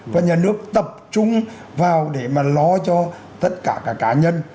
và nhà nước tập trung vào để mà lo cho tất cả các cá nhân